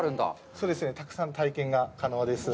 そうですね、たくさん体験が可能です。